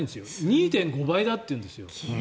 ２．５倍だというんです。